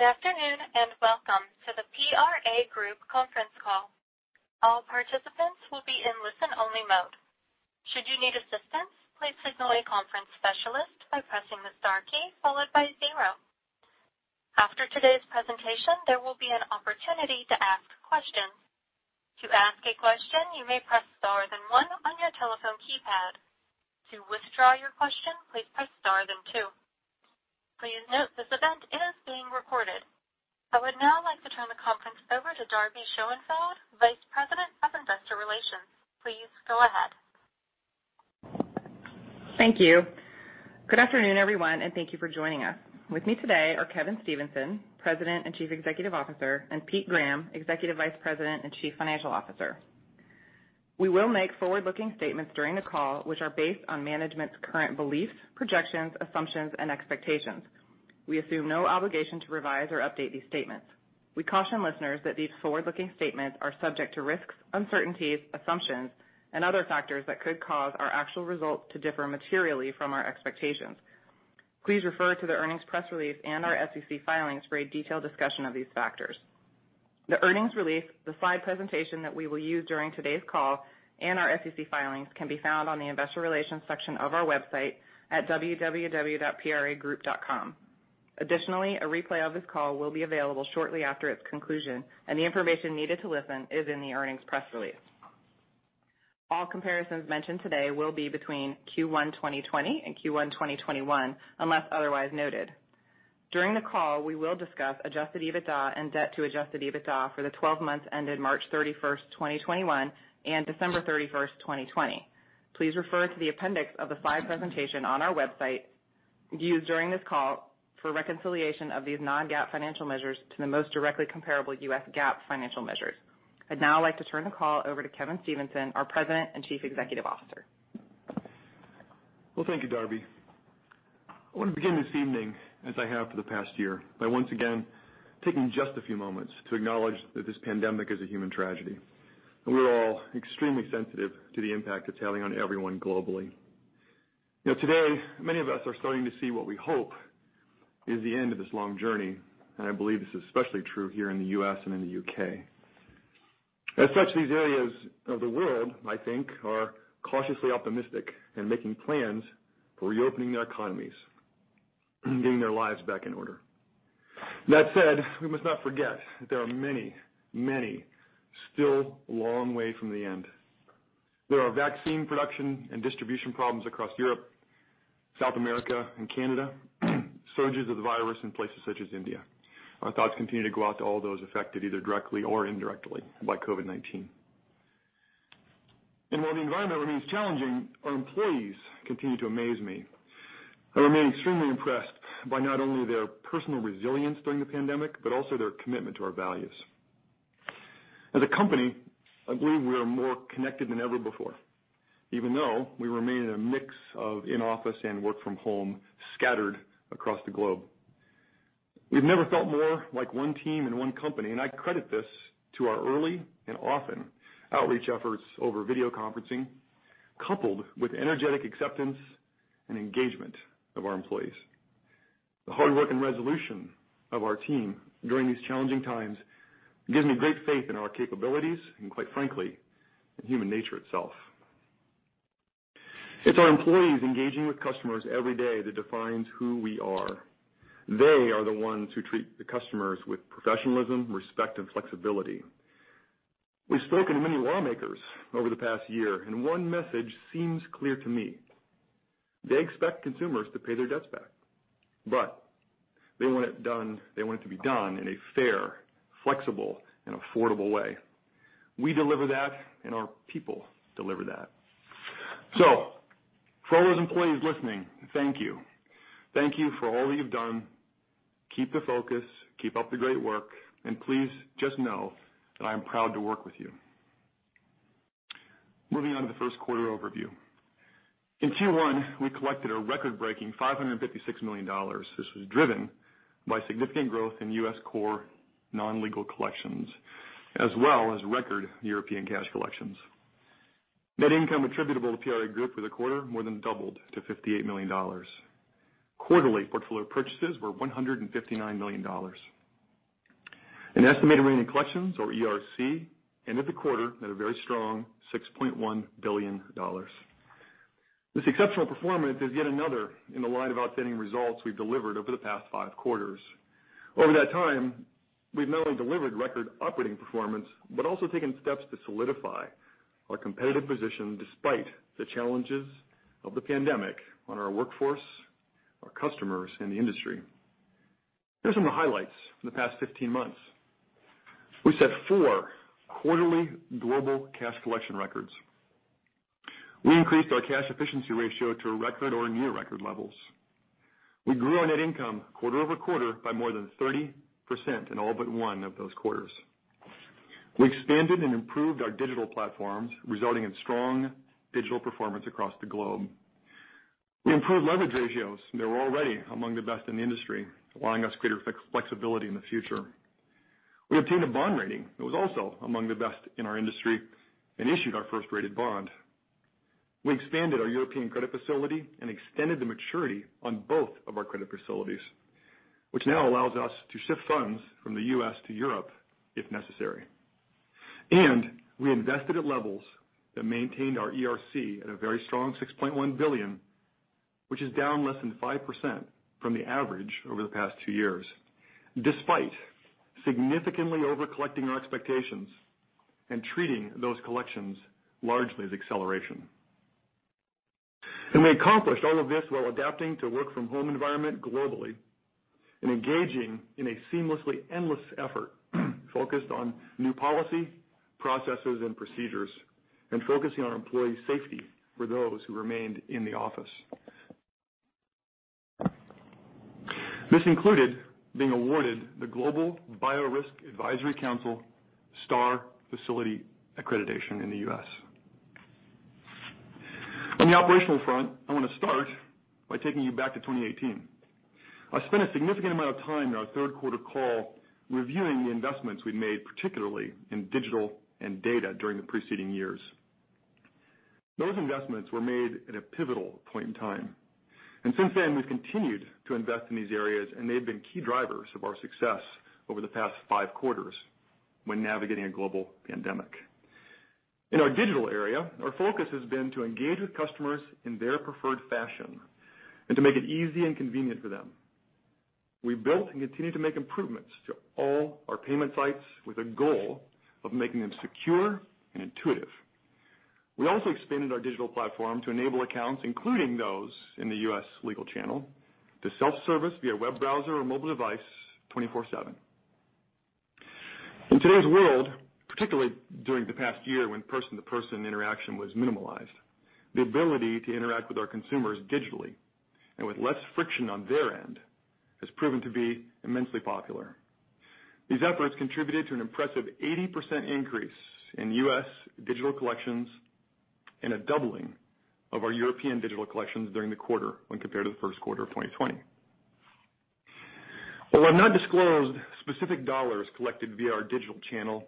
Good afternoon, and welcome to the PRA Group conference call. All participants will be in listen-only mode. Should you need assistance, please signal a conference specialist by pressing the star key followed by zero. After today's presentation, there will be an opportunity to ask questions. To ask a question, you may press star then one on your telephone keypad. To withdraw your question, please press star then two. Please note this event is being recorded. I would now like to turn the conference over to Darby Schoenfeld, Vice President of Investor Relations. Please go ahead. Thank you. Good afternoon, everyone, and thank you for joining us. With me today are Kevin Stevenson, President and Chief Executive Officer, and Pete Graham, Executive Vice President and Chief Financial Officer. We will make forward-looking statements during the call, which are based on management's current beliefs, projections, assumptions, and expectations. We assume no obligation to revise or update these statements. We caution listeners that these forward-looking statements are subject to risks, uncertainties, assumptions, and other factors that could cause our actual results to differ materially from our expectations. Please refer to the earnings press release and our SEC filings for a detailed discussion of these factors. The earnings release, the slide presentation that we will use during today's call, and our SEC filings can be found on the investor relations section of our website at www.pragroup.com. Additionally, a replay of this call will be available shortly after its conclusion, and the information needed to listen is in the earnings press release. All comparisons mentioned today will be between Q1 2020 and Q1 2021 unless otherwise noted. During the call, we will discuss adjusted EBITDA and debt to adjusted EBITDA for the 12 months ended March 31st, 2021 and December 31st, 2020. Please refer to the appendix of the slide presentation on our website used during this call for reconciliation of these non-GAAP financial measures to the most directly comparable U.S. GAAP financial measures. I'd now like to turn the call over to Kevin Stevenson, our President and Chief Executive Officer. Well, thank you, Darby. I want to begin this evening, as I have for the past year, by once again taking just a few moments to acknowledge that this pandemic is a human tragedy. We're all extremely sensitive to the impact it's having on everyone globally. Today, many of us are starting to see what we hope is the end of this long journey, and I believe this is especially true here in the U.S. and in the U.K. As such, these areas of the world, I think, are cautiously optimistic and making plans for reopening their economies and getting their lives back in order. That said, we must not forget that there are many, many still a long way from the end. There are vaccine production and distribution problems across Europe, South America, and Canada, surges of the virus in places such as India. Our thoughts continue to go out to all those affected, either directly or indirectly, by COVID-19. While the environment remains challenging, our employees continue to amaze me. I remain extremely impressed by not only their personal resilience during the pandemic but also their commitment to our values. As a company, I believe we are more connected than ever before, even though we remain in a mix of in-office and work-from-home scattered across the globe. We've never felt more like one team and one company. I credit this to our early and often outreach efforts over video conferencing, coupled with energetic acceptance and engagement of our employees. The hard work and resolution of our team during these challenging times gives me great faith in our capabilities and, quite frankly, in human nature itself. It's our employees engaging with customers every day that defines who we are. They are the ones who treat the customers with professionalism, respect, and flexibility. We've spoken to many lawmakers over the past year. One message seems clear to me. They expect consumers to pay their debts back. They want it to be done in a fair, flexible, and affordable way. We deliver that, and our people deliver that. For all those employees listening, thank you. Thank you for all that you've done. Keep the focus. Keep up the great work, and please just know that I am proud to work with you. Moving on to the first quarter overview. In Q1, we collected a record-breaking $556 million. This was driven by significant growth in U.S. core non-legal collections, as well as record European cash collections. Net income attributable to PRA Group for the quarter more than doubled to $58 million. Quarterly portfolio purchases were $159 million. An estimated remaining collections or ERC ended the quarter at a very strong $6.1 billion. This exceptional performance is yet another in the line of outstanding results we've delivered over the past five quarters. Over that time, we've not only delivered record operating performance but also taken steps to solidify our competitive position despite the challenges of the pandemic on our workforce, our customers, and the industry. Here are some of the highlights from the past 15 months. We set four quarterly global cash collection records. We increased our cash efficiency ratio to record or near-record levels. We grew our net income quarter-over-quarter by more than 30% in all but one of those quarters. We expanded and improved our digital platforms, resulting in strong digital performance across the globe. We improved leverage ratios that were already among the best in the industry, allowing us greater flexibility in the future. We obtained a bond rating that was also among the best in our industry and issued our first rated bond. We expanded our European credit facility and extended the maturity on both of our credit facilities, which now allows us to shift funds from the U.S. to Europe if necessary. We invested at levels that maintained our ERC at a very strong $6.1 billion, which is down less than 5% from the average over the past two years, despite significantly over-collecting our expectations and treating those collections largely as acceleration. They accomplished all of this while adapting to a work-from-home environment globally and engaging in a seamlessly endless effort focused on new policy, processes, and procedures, and focusing on employee safety for those who remained in the office. This included being awarded the Global Biorisk Advisory Council STAR Facility Accreditation in the U.S. On the operational front, I want to start by taking you back to 2018. I spent a significant amount of time in our third quarter call reviewing the investments we'd made, particularly in digital and data during the preceding years. Since then, we've continued to invest in these areas, and they've been key drivers of our success over the past five quarters when navigating a global pandemic. In our digital area, our focus has been to engage with customers in their preferred fashion and to make it easy and convenient for them. We built and continue to make improvements to all our payment sites with a goal of making them secure and intuitive. We also expanded our digital platform to enable accounts, including those in the U.S. legal channel, to self-service via web browser or mobile device 24/7. In today's world, particularly during the past year when person-to-person interaction was minimalized, the ability to interact with our consumers digitally and with less friction on their end has proven to be immensely popular. These efforts contributed to an impressive 80% increase in U.S. digital collections and a doubling of our European digital collections during the quarter when compared to the first quarter of 2020. Although I've not disclosed specific dollars collected via our digital channel,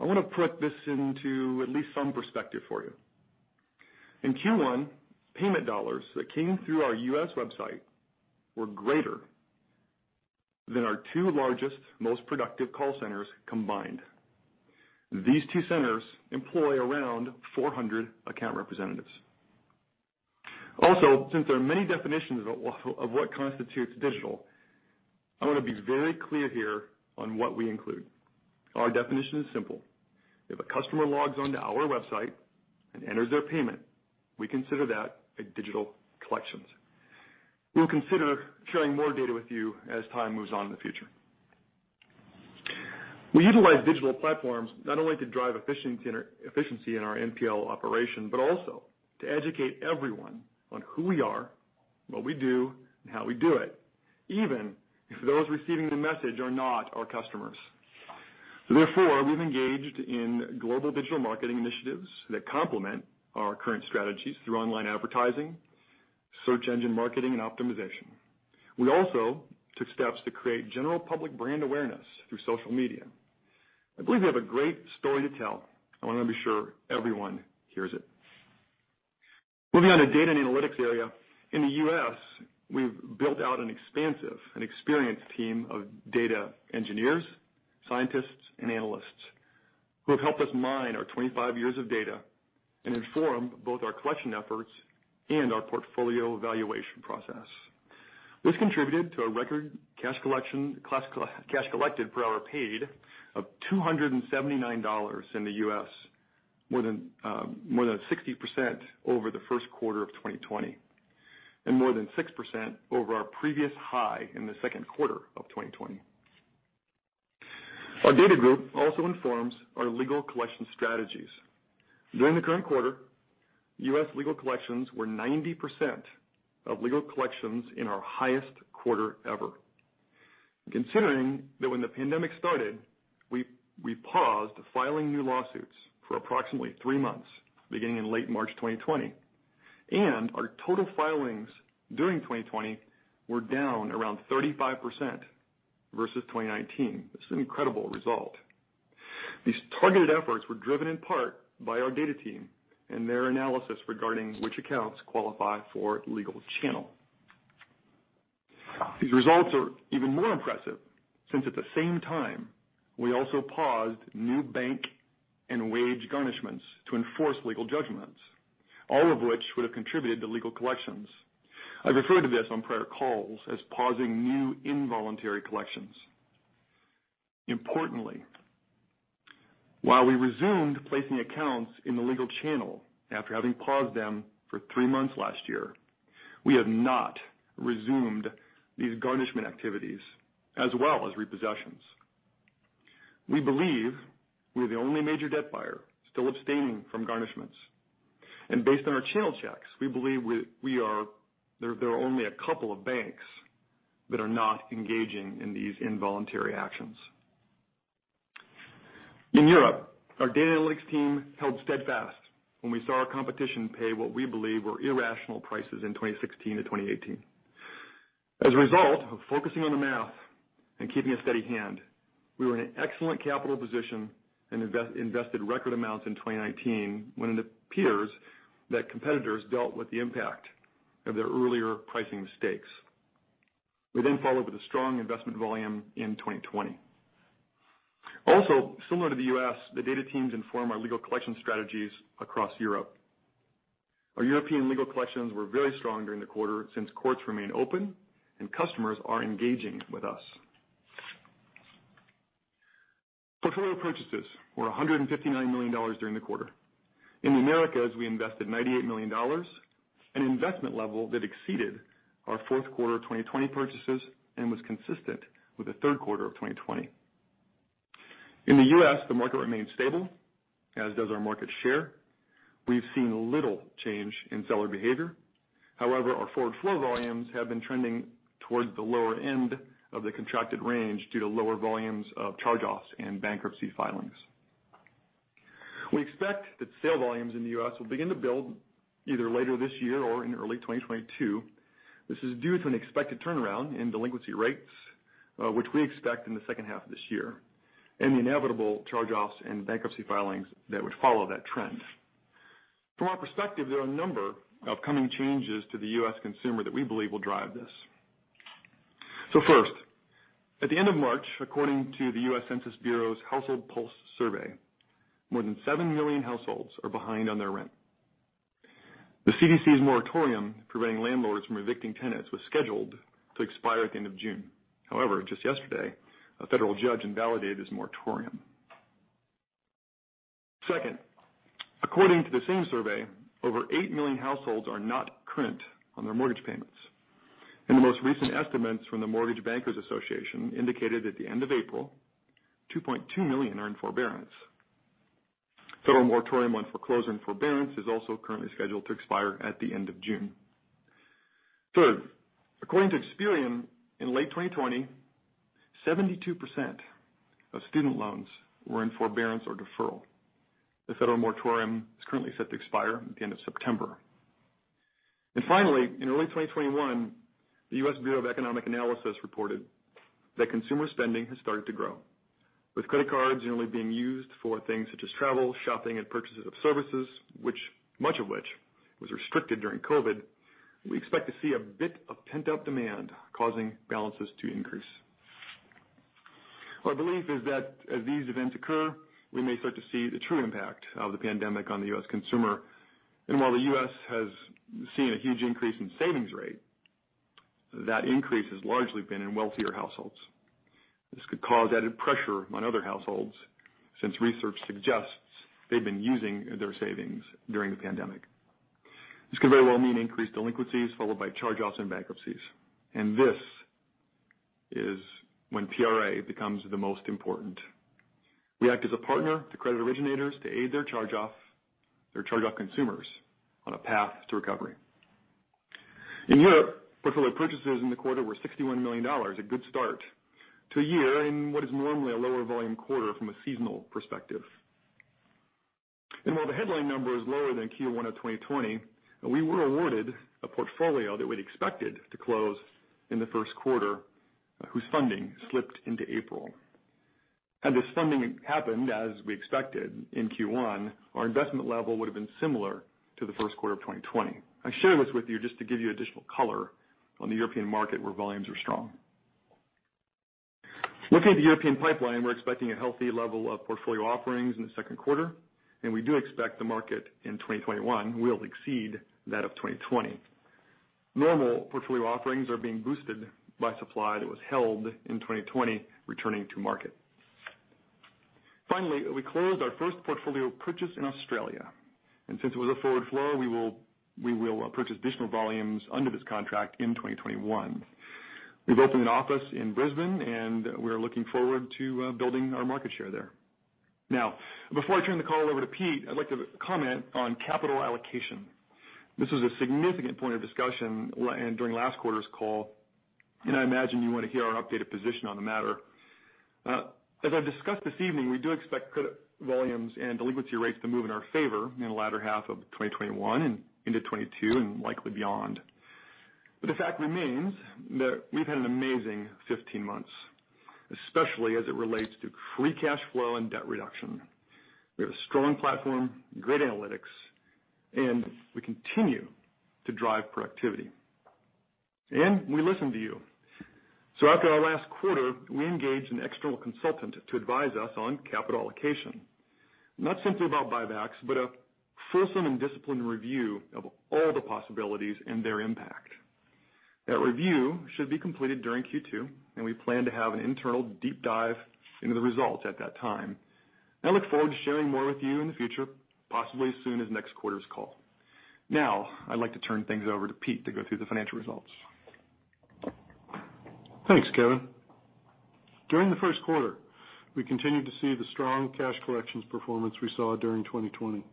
I want to put this into at least some perspective for you. In Q1, payment dollars that came through our U.S. website were greater than our two largest, most productive call centers combined. These two centers employ around 400 account representatives. Since there are many definitions of what constitutes digital, I want to be very clear here on what we include. Our definition is simple. If a customer logs on to our website and enters their payment, we consider that a digital collections. We'll consider sharing more data with you as time moves on in the future. We utilize digital platforms not only to drive efficiency in our NPL operation, but also to educate everyone on who we are, what we do, and how we do it, even if those receiving the message are not our customers. We've engaged in global digital marketing initiatives that complement our current strategies through online advertising, search engine marketing, and optimization. We also took steps to create general public brand awareness through social media. I believe we have a great story to tell. I want to be sure everyone hears it. Moving on to data and analytics area. In the U.S., we've built out an expansive and experienced team of data engineers, scientists, and analysts who have helped us mine our 25 years of data and inform both our collection efforts and our portfolio evaluation process. This contributed to a record cash collected per hour paid of $279 in the U.S, more than 60% over the first quarter of 2020, and more than 6% over our previous high in the second quarter of 2020. Our data group also informs our legal collection strategies. During the current quarter, U.S. legal collections were 90% of legal collections in our highest quarter ever. Considering that when the pandemic started, we paused filing new lawsuits for approximately three months, beginning in late March 2020, and our total filings during 2020 were down around 35% versus 2019. This is an incredible result. These targeted efforts were driven in part by our data team and their analysis regarding which accounts qualify for legal channel. These results are even more impressive since at the same time, we also paused new bank and wage garnishments to enforce legal judgments, all of which would have contributed to legal collections. I've referred to this on prior calls as pausing new involuntary collections. Importantly, while we resumed placing accounts in the legal channel after having paused them for three months last year, we have not resumed these garnishment activities as well as repossessions. We believe we are the only major debt buyer still abstaining from garnishments. Based on our channel checks, we believe there are only a couple of banks that are not engaging in these involuntary actions. In Europe, our data analytics team held steadfast when we saw our competition pay what we believe were irrational prices in 2016-2018. As a result of focusing on the math and keeping a steady hand, we were in an excellent capital position and invested record amounts in 2019, when it appears that competitors dealt with the impact of their earlier pricing mistakes. We followed with a strong investment volume in 2020. Similar to the U.S, the data teams inform our legal collection strategies across Europe. Our European legal collections were very strong during the quarter since courts remain open and customers are engaging with us. Portfolio purchases were $159 million during the quarter. In the Americas, we invested $98 million, an investment level that exceeded our fourth quarter 2020 purchases and was consistent with the third quarter of 2020. In the U.S, the market remains stable, as does our market share. We've seen little change in seller behavior. However, our forward flow volumes have been trending towards the lower end of the contracted range due to lower volumes of charge-offs and bankruptcy filings. We expect that sale volumes in the U.S. will begin to build either later this year or in early 2022. This is due to an expected turnaround in delinquency rates, which we expect in the H2 of this year, and the inevitable charge-offs and bankruptcy filings that would follow that trend. From our perspective, there are a number of upcoming changes to the U.S. consumer that we believe will drive this. First, at the end of March, according to the U.S. Census Bureau's Household Pulse Survey, more than 7 million households are behind on their rent. The CDC's moratorium preventing landlords from evicting tenants was scheduled to expire at the end of June. However, just yesterday, a federal judge invalidated this moratorium. Second, according to the same survey, over 8 million households are not current on their mortgage payments, and the most recent estimates from the Mortgage Bankers Association indicated at the end of April, 2.2 million are in forbearance. Federal moratorium on foreclosure and forbearance is also currently scheduled to expire at the end of June. Third, according to Experian, in late 2020, 72% of student loans were in forbearance or deferral. The federal moratorium is currently set to expire at the end of September. Finally, in early 2021, the U.S. Bureau of Economic Analysis reported that consumer spending has started to grow, with credit cards generally being used for things such as travel, shopping, and purchases of services, much of which was restricted during COVID-19. We expect to see a bit of pent-up demand causing balances to increase. Our belief is that as these events occur, we may start to see the true impact of the pandemic on the U.S. consumer. While the U.S. has seen a huge increase in savings rate, that increase has largely been in wealthier households. This could cause added pressure on other households since research suggests they've been using their savings during the pandemic. This could very well mean increased delinquencies followed by charge-offs and bankruptcies. This is when PRA becomes the most important. We act as a partner to credit originators to aid their charge-off consumers on a path to recovery. In Europe, portfolio purchases in the quarter were $61 million. A good start to a year in what is normally a lower volume quarter from a seasonal perspective. While the headline number is lower than Q1 of 2020, we were awarded a portfolio that we'd expected to close in the first quarter, whose funding slipped into April. Had this funding happened as we expected in Q1, our investment level would've been similar to the first quarter of 2020. I share this with you just to give you additional color on the European market where volumes are strong. Looking at the European pipeline, we're expecting a healthy level of portfolio offerings in the second quarter. We do expect the market in 2021 will exceed that of 2020. Normal portfolio offerings are being boosted by supply that was held in 2020 returning to market. We closed our first portfolio purchase in Australia, and since it was a forward flow, we will purchase additional volumes under this contract in 2021. We've opened an office in Brisbane and we're looking forward to building our market share there. Before I turn the call over to Pete, I'd like to comment on capital allocation. This was a significant point of discussion during last quarter's call, and I imagine you want to hear our updated position on the matter. As I've discussed this evening, we do expect credit volumes and delinquency rates to move in our favor in the latter half of 2021 and into 2022, and likely beyond. The fact remains that we've had an amazing 15 months, especially as it relates to free cash flow and debt reduction. We have a strong platform, great analytics, and we continue to drive productivity. We listen to you. After our last quarter, we engaged an external consultant to advise us on capital allocation. Not simply about buybacks, but a fulsome and disciplined review of all the possibilities and their impact. That review should be completed during Q2, and we plan to have an internal deep dive into the results at that time, and I look forward to sharing more with you in the future, possibly as soon as next quarter's call. Now I'd like to turn things over to Pete to go through the financial results. Thanks, Kevin. During the first quarter, we continued to see the strong cash collections performance we saw during 2020.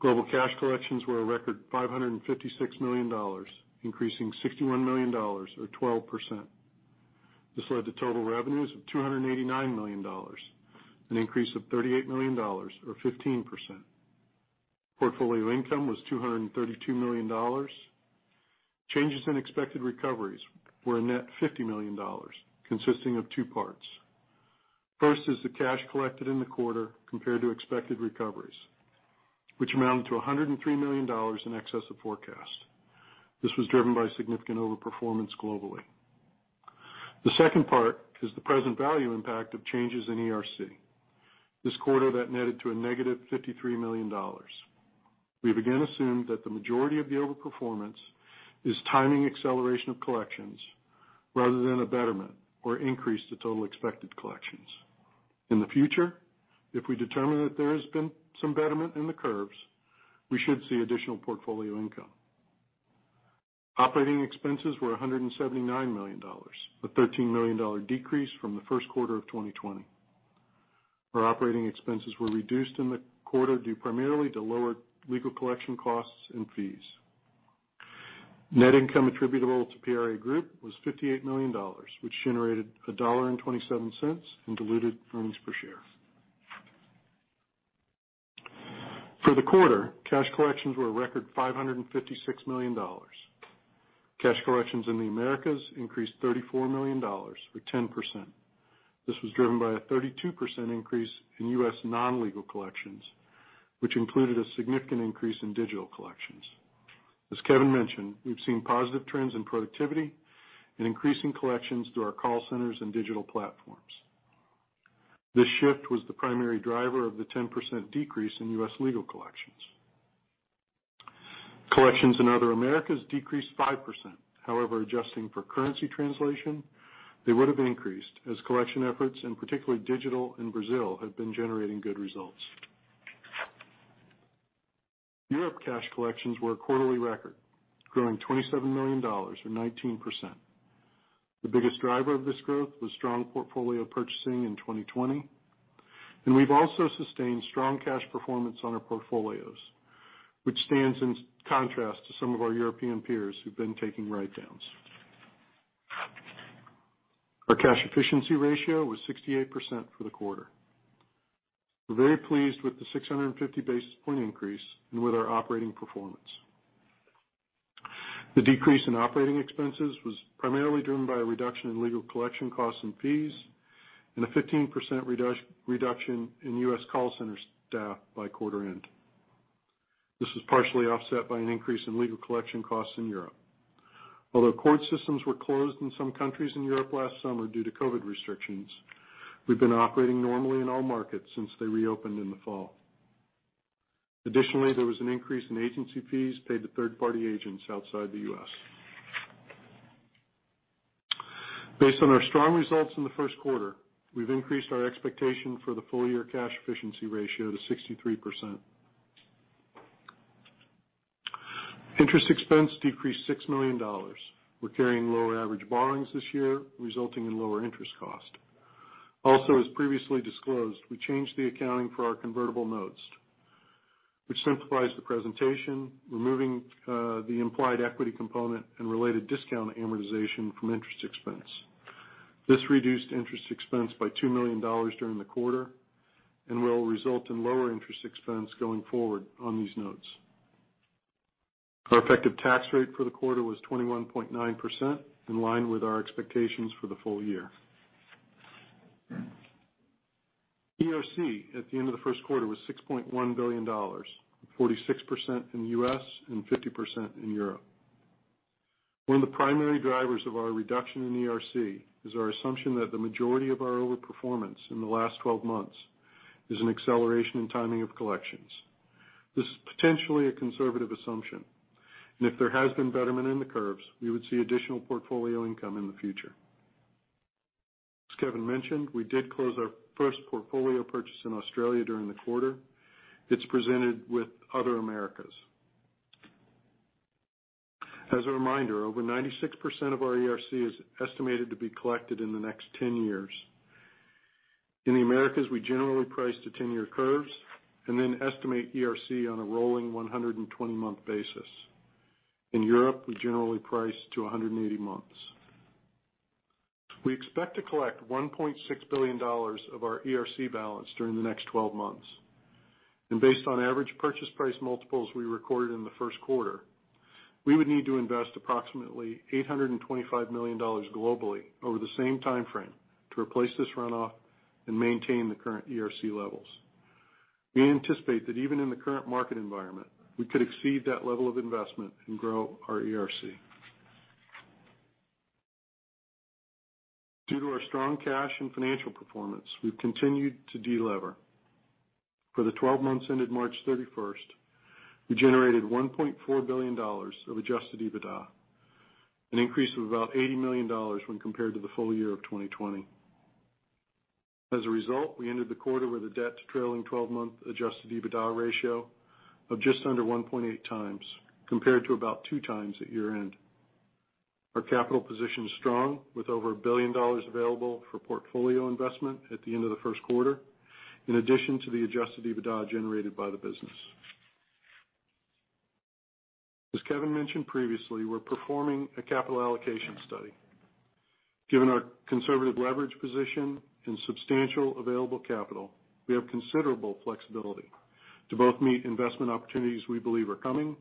Global cash collections were a record $556 million, increasing $61 million or 12%. This led to total revenues of $289 million, an increase of $38 million, or 15%. Portfolio income was $232 million. Changes in expected recoveries were a net $50 million, consisting of two parts. First is the cash collected in the quarter compared to expected recoveries, which amounted to $103 million in excess of forecast. This was driven by significant over-performance globally. The second part is the present value impact of changes in ERC. This quarter, that netted to a -$53 million. We again assumed that the majority of the over-performance is timing acceleration of collections rather than a betterment or increase to total expected collections. In the future, if we determine that there has been some betterment in the curves, we should see additional portfolio income. Operating expenses were $179 million, a $13 million decrease from Q1 2020, where operating expenses were reduced in the quarter due primarily to lower legal collection costs and fees. Net income attributable to PRA Group was $58 million, which generated $1.27 in diluted earnings per share. For the quarter, cash collections were a record $556 million. Cash collections in the Americas increased $34 million, or 10%. This was driven by a 32% increase in U.S. non-legal collections, which included a significant increase in digital collections. As Kevin mentioned, we've seen positive trends in productivity and increasing collections through our call centers and digital platforms. This shift was the primary driver of the 10% decrease in U.S. legal collections. Collections in other Americas decreased 5%. However, adjusting for currency translation, they would have increased, as collection efforts, in particular digital in Brazil, have been generating good results. Europe cash collections were a quarterly record, growing $27 million, or 19%. The biggest driver of this growth was strong portfolio purchasing in 2020. We've also sustained strong cash performance on our portfolios, which stands in contrast to some of our European peers who've been taking writedowns. Our cash efficiency ratio was 68% for the quarter. We're very pleased with the 650 basis point increase and with our operating performance. The decrease in operating expenses was primarily driven by a reduction in legal collection costs and fees and a 15% reduction in U.S. call center staff by quarter end. This was partially offset by an increase in legal collection costs in Europe. Although court systems were closed in some countries in Europe last summer due to COVID-19 restrictions, we've been operating normally in all markets since they reopened in the fall. Additionally, there was an increase in agency fees paid to third-party agents outside the U.S. Based on our strong results in the first quarter, we've increased our expectation for the full-year cash efficiency ratio to 63%. Interest expense decreased $6 million. We're carrying lower average borrowings this year, resulting in lower interest cost. Also, as previously disclosed, we changed the accounting for our convertible notes, which simplifies the presentation, removing the implied equity component and related discount amortization from interest expense. This reduced interest expense by $2 million during the quarter and will result in lower interest expense going forward on these notes. Our effective tax rate for the quarter was 21.9%, in line with our expectations for the full year. ERC at the end of the first quarter was $6.1 billion, with 46% in the U.S. and 50% in Europe. One of the primary drivers of our reduction in ERC is our assumption that the majority of our over-performance in the last 12 months is an acceleration in timing of collections. This is potentially a conservative assumption, and if there has been betterment in the curves, we would see additional portfolio income in the future. As Kevin mentioned, we did close our first portfolio purchase in Australia during the quarter. It's presented with other Americas. As a reminder, over 96% of our ERC is estimated to be collected in the next 10 years. In the Americas, we generally price to 10-year curves then estimate ERC on a rolling 120-month basis. In Europe, we generally price to 180 months. We expect to collect $1.6 billion of our ERC balance during the next 12 months. Based on average purchase price multiples we recorded in the first quarter, we would need to invest approximately $825 million globally over the same timeframe to replace this runoff and maintain the current ERC levels. We anticipate that even in the current market environment, we could exceed that level of investment and grow our ERC. Due to our strong cash and financial performance, we've continued to delever. For the 12 months ended March 31st, we generated $1.4 billion of adjusted EBITDA, an increase of about $80 million when compared to the full year of 2020. We ended the quarter with a debt to trailing 12-month adjusted EBITDA ratio of just under 1.8x, compared to about 2x at year-end. Our capital position is strong, with over $1 billion available for portfolio investment at the end of the first quarter, in addition to the adjusted EBITDA generated by the business. As Kevin mentioned previously, we're performing a capital allocation study. Given our conservative leverage position and substantial available capital, we have considerable flexibility to both meet investment opportunities we believe are coming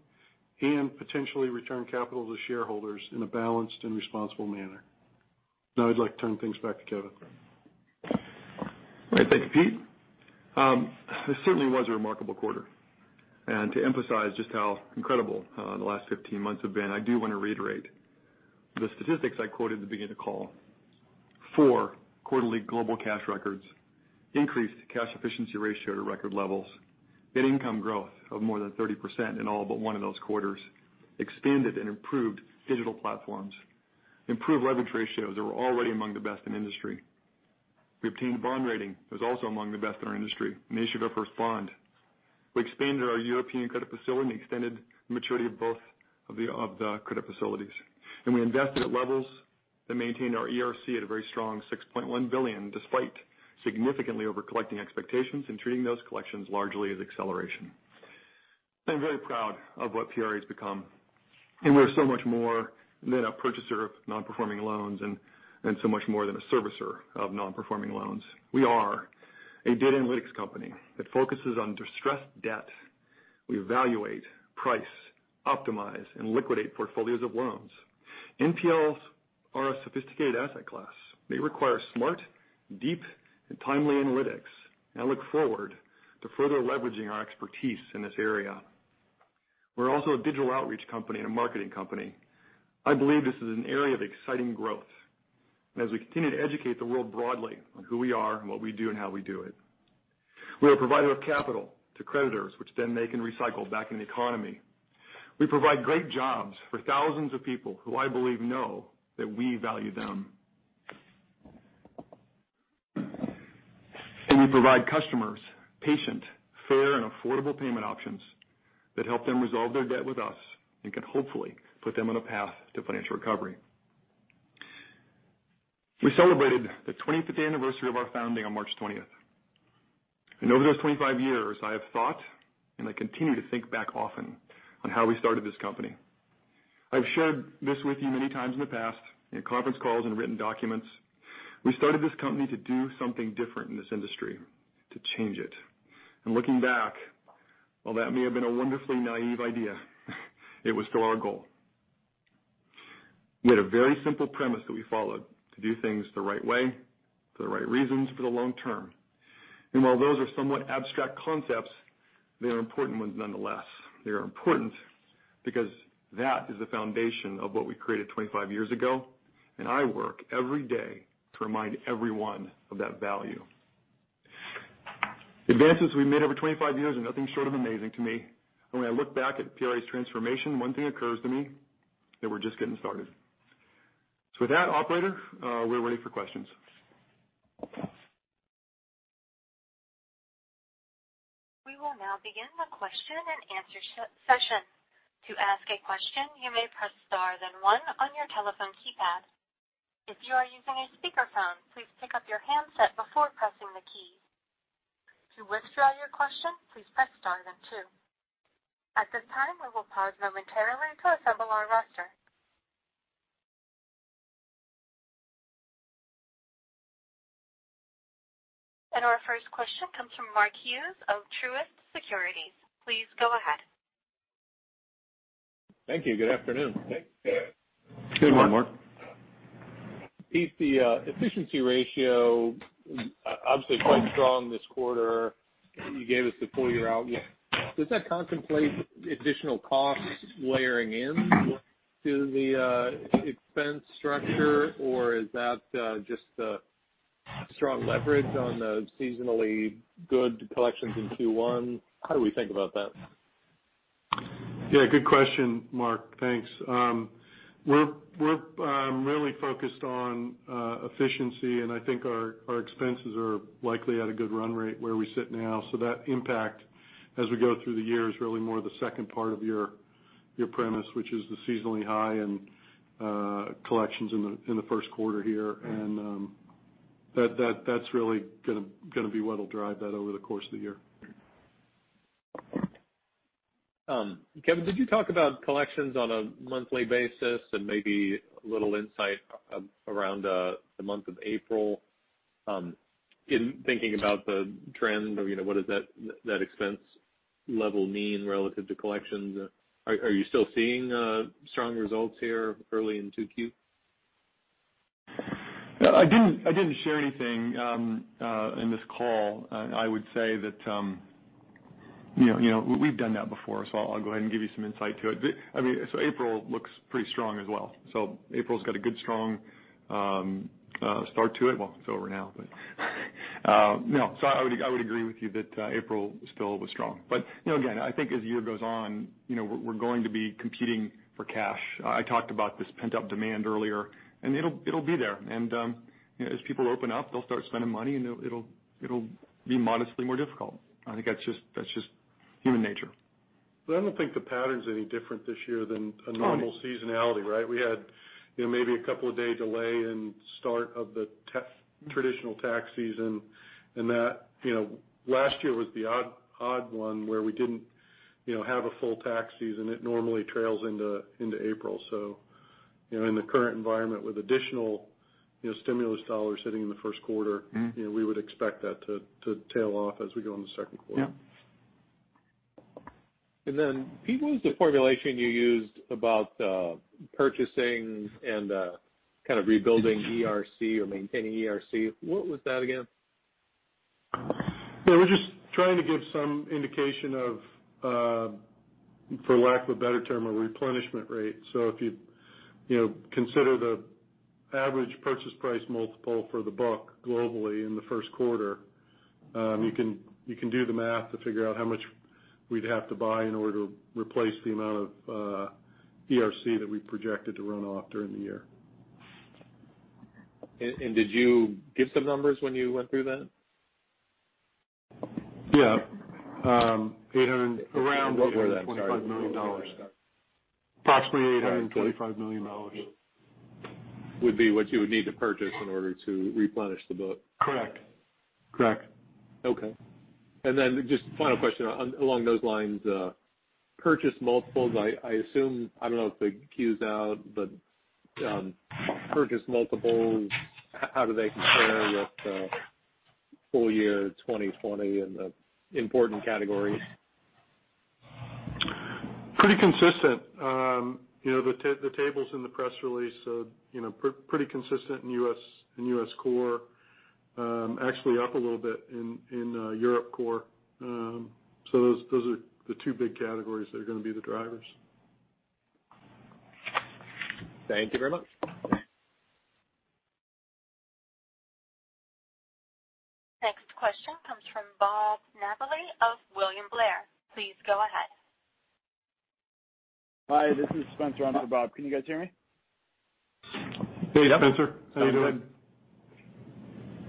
and potentially return capital to shareholders in a balanced and responsible manner. Now I'd like to turn things back to Kevin. All right. Thank you, Pete. This certainly was a remarkable quarter. To emphasize just how incredible the last 15 months have been, I do want to reiterate the statistics I quoted at the beginning of the call. Four quarterly global cash records, increased cash efficiency ratio to record levels, net income growth of more than 30% in all but one of those quarters, expanded and improved digital platforms, improved leverage ratios that were already among the best in industry. We obtained a bond rating that was also among the best in our industry, an issue of our first bond. We expanded our European credit facility and extended the maturity of both of the credit facilities. We invested at levels that maintained our ERC at a very strong $6.1 billion, despite significantly over-collecting expectations and treating those collections largely as acceleration. I'm very proud of what PRA has become, and we are so much more than a purchaser of non-performing loans and so much more than a servicer of non-performing loans. We are a data analytics company that focuses on distressed debt. We evaluate, price, optimize, and liquidate portfolios of loans. NPLs are a sophisticated asset class. They require smart, deep, and timely analytics. I look forward to further leveraging our expertise in this area. We're also a digital outreach company and a marketing company. I believe this is an area of exciting growth, and as we continue to educate the world broadly on who we are and what we do and how we do it. We are a provider of capital to creditors, which then they can recycle back in the economy. We provide great jobs for thousands of people who I believe know that we value them. We provide customers patient, fair, and affordable payment options that help them resolve their debt with us and can hopefully put them on a path to financial recovery. We celebrated the 25th anniversary of our founding on March 20th. Over those 25 years, I have thought, and I continue to think back often on how we started this company. I've shared this with you many times in the past, in conference calls and written documents. We started this company to do something different in this industry, to change it. Looking back, while that may have been a wonderfully naive idea, it was still our goal. We had a very simple premise that we followed: to do things the right way, for the right reasons, for the long term. While those are somewhat abstract concepts, they are important ones nonetheless. They are important because that is the foundation of what we created 25 years ago, and I work every day to remind everyone of that value. The advances we've made over 25 years are nothing short of amazing to me. When I look back at PRA's transformation, one thing occurs to me, that we're just getting started. With that, operator, we're ready for questions. We will now begin the Q&A session, to ask a question you may press star then one on your telephone keypad. If you're using a speaker phone please pick up your headset before pressing the key, to withdraw your question please press star then two. At this time we will pause momentarily to assemble our roster. Our first question comes from Mark Hughes of Truist Securities. Please go ahead. Thank you. Good afternoon. Good morning, Mark. Pete, the efficiency ratio, obviously quite strong this quarter. You gave us the full year out. Does that contemplate additional costs layering in to the expense structure? Or is that just a strong leverage on the seasonally good collections in Q1? How do we think about that? Yeah, good question, Mark. Thanks. We're really focused on efficiency, and I think our expenses are likely at a good run rate where we sit now. That impact as we go through the year is really more the second part of your premise, which is the seasonally high and collections in the first quarter here. That's really going to be what'll drive that over the course of the year. Kevin, could you talk about collections on a monthly basis and maybe a little insight around the month of April, in thinking about the trend of what does that expense level mean relative to collections? Are you still seeing strong results here early in 2Q? I didn't share anything in this call. I would say that we've done that before, so I'll go ahead and give you some insight to it. April looks pretty strong as well. April's got a good strong start to it. Well, it's over now, but no. I would agree with you that April still was strong. Again, I think as the year goes on, we're going to be competing for cash. I talked about this pent-up demand earlier, and it'll be there. As people open up, they'll start spending money, and it'll be modestly more difficult. I think that's just human nature. I don't think the pattern's any different this year than a normal seasonality, right? We had maybe a couple of day delay in start of the traditional tax season, and last year was the odd one where we didn't have a full tax season. It normally trails into April. In the current environment with additional stimulus dollars sitting in the first quarter. We would expect that to tail off as we go in the second quarter. Yep. Pete, what was the formulation you used about purchasing and kind of rebuilding ERC or maintaining ERC? What was that again? We're just trying to give some indication of, for lack of a better term, a replenishment rate. If you consider the average purchase price multiple for the book globally in the first quarter. You can do the math to figure out how much we'd have to buy in order to replace the amount of ERC that we projected to run off during the year. Did you give the numbers when you went through that? Yeah. What were that? Sorry. $825 million. Approximately $825 million. Would be what you would need to purchase in order to replenish the book? Correct. Okay. Just final question along those lines, purchase multiples, I don't know if the Q's out, but purchase multiples, how do they compare with full year 2020 in the important categories? Pretty consistent. The tables in the press release, pretty consistent in U.S. core. Actually up a little bit in Europe core. Those are the two big categories that are going to be the drivers. Thank you very much. Next question comes from Bob Napoli of William Blair. Please go ahead. Hi, this is Spencer on for Bob. Can you guys hear me? Hey, Spencer. How you doing? Yeah. Sounds good.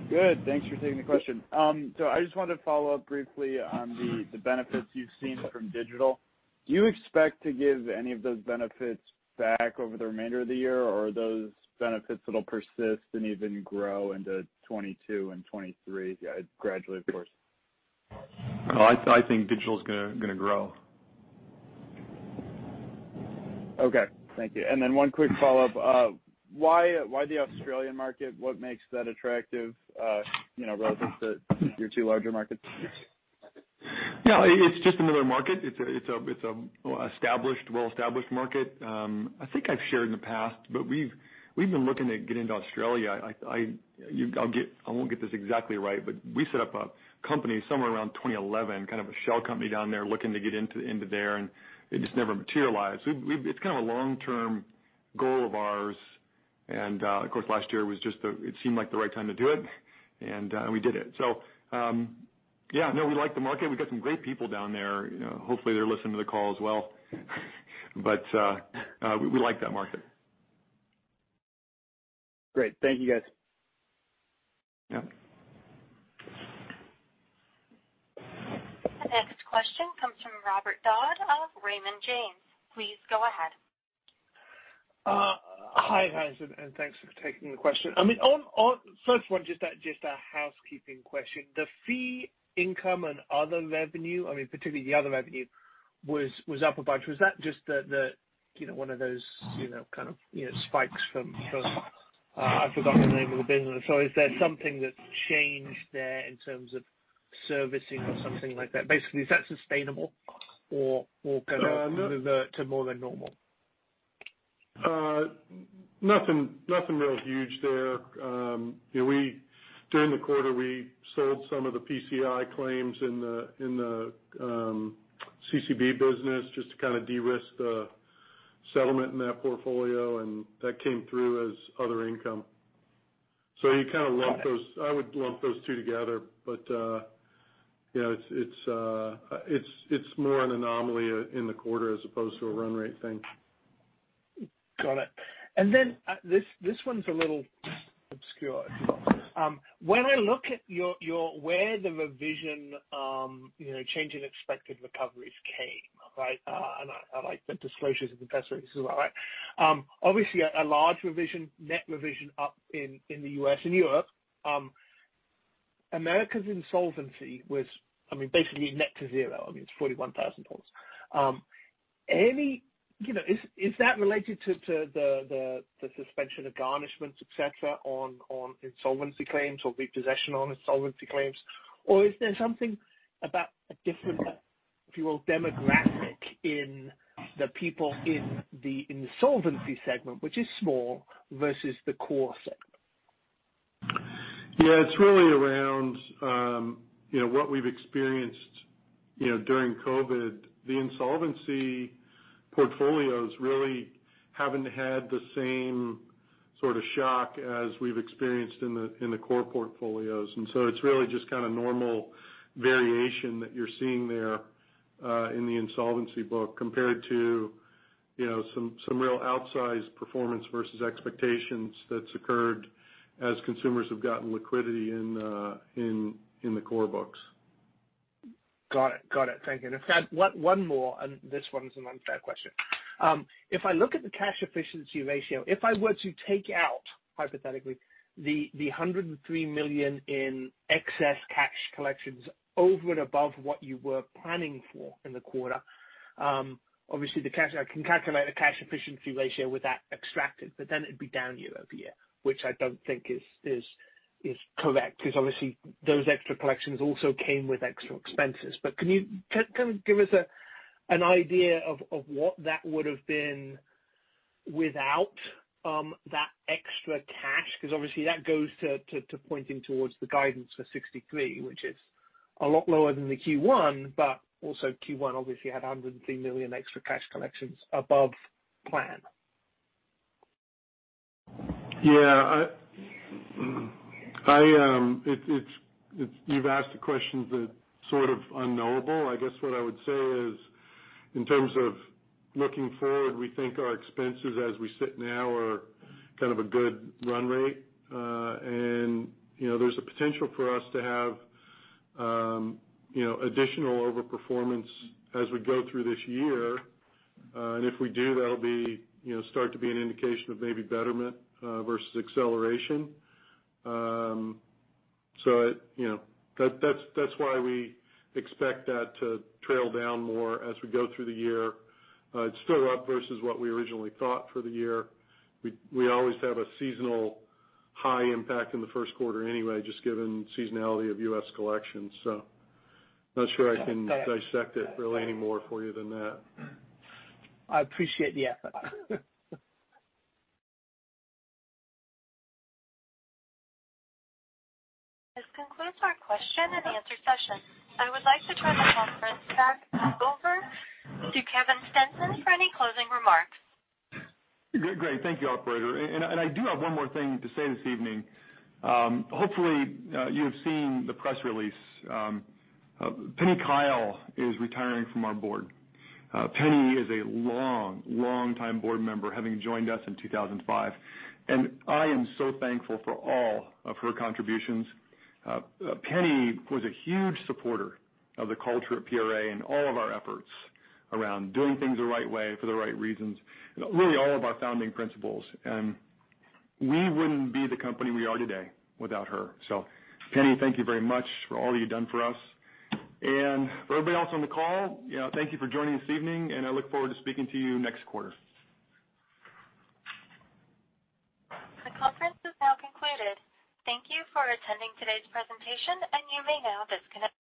Good. Thanks for taking the question. I just wanted to follow up briefly on the benefits you've seen from digital. Do you expect to give any of those benefits back over the remainder of the year, or are those benefits that'll persist and even grow into 2022 and 2023 gradually, of course? I think digital's going to grow. Okay. Thank you. One quick follow-up. Why the Australian market? What makes that attractive relative to your two larger markets? It's just another market. It's a well-established market. I think I've shared in the past, but we've been looking to get into Australia. I won't get this exactly right, but we set up a company somewhere around 2011, kind of a shell company down there looking to get into there, and it just never materialized. It's kind of a long-term goal of ours, and of course, last year it seemed like the right time to do it, and we did it. We like the market. We've got some great people down there. Hopefully, they're listening to the call as well. We like that market. Great. Thank you, guys. Yep. The next question comes from Robert Dodd of Raymond James. Please go ahead. Hi, guys, and thanks for taking the question. First one, just a housekeeping question. The fee income and other revenue, particularly the other revenue, was up a bunch. Was that just one of those kind of spikes from- Yes I've forgotten the name of the business. Is there something that changed there in terms of servicing or something like that? Basically, is that sustainable? No more than normal? Nothing real huge there. During the quarter, we sold some of the PCI claims in the CCB business just to kind of derisk the settlement in that portfolio, and that came through as other income. You kind of lump those. Got it. I would lump those two together. It's more an anomaly in the quarter as opposed to a run rate thing. Got it. This one's a little obscure. When I look at where the revision, change in expected recoveries came, right? I like the disclosures in the press release as well, right? Obviously, a large revision, net revision up in the U.S. and Europe. America's insolvency was basically net to zero. It's $41,000. Is that related to the suspension of garnishments, et cetera, on insolvency claims or repossession on insolvency claims, or is there something about a different, if you will, demographic in the people in the insolvency segment, which is small, versus the core segment? Yeah, it's really around what we've experienced during COVID-19. The insolvency portfolios really haven't had the same sort of shock as we've experienced in the core portfolios. It's really just kind of normal variation that you're seeing there in the insolvency book, compared to some real outsized performance versus expectations that's occurred as consumers have gotten liquidity in the core books. Got it. Thank you. In fact, one more, and this one's an unfair question. If I look at the cash efficiency ratio, if I were to take out, hypothetically, the $103 million in excess cash collections over and above what you were planning for in the quarter, obviously, I can calculate the cash efficiency ratio with that extracted, but then it'd be down year-over-year, which I don't think is correct, because obviously those extra collections also came with extra expenses. Can you give us an idea of what that would've been without that extra cash? Because obviously that goes to pointing towards the guidance for 63, which is a lot lower than the Q1, but also Q1 obviously had $103 million extra cash collections above plan. Yeah. You've asked a question that's sort of unknowable. I guess what I would say is, in terms of looking forward, we think our expenses as we sit now are kind of a good run rate. There's a potential for us to have additional over-performance as we go through this year. If we do, that'll start to be an indication of maybe betterment versus acceleration. That's why we expect that to trail down more as we go through the year. It's still up versus what we originally thought for the year. We always have a seasonal high impact in the first quarter anyway, just given seasonality of U.S. collections. Not sure I can dissect it really any more for you than that. I appreciate the effort. This concludes our question and answer session. I would like to turn the conference back over to Kevin Stevenson for any closing remarks. Great. Thank you, operator. I do have one more thing to say this evening. Hopefully, you have seen the press release. Penelope Kyle is retiring from our board. Penny is a long, long time board member, having joined us in 2005, and I am so thankful for all of her contributions. Penny Kyle was a huge supporter of the culture at PRA and all of our efforts around doing things the right way for the right reasons, and really all of our founding principles. We wouldn't be the company we are today without her. Penny, thank you very much for all you've done for us. For everybody else on the call, thank you for joining this evening, and I look forward to speaking to you next quarter. The conference is now concluded. Thank you for attending today's presentation, and you may now disconnect.